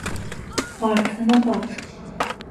Arkana bak!